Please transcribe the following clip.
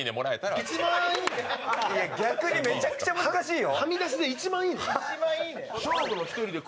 逆にめちゃくちゃ難しいよ。